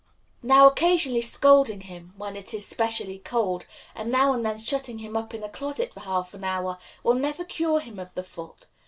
Now occasionally scolding him, when it is specially cold, and now and then shutting him up in a closet for half an hour, will never cure him of the fault.